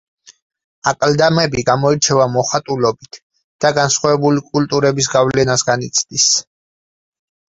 აკლდამები გამოირჩევა მოხატულობით და განსხვავებული კულტურების გავლენას განიცდის.